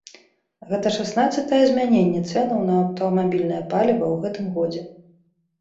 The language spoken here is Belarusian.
Гэта шаснаццатае змяненне цэнаў на аўтамабільнае паліва ў гэтым годзе.